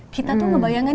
kita tuh ngebayangkan